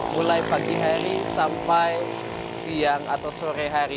mulai pagi hari sampai siang atau sore hari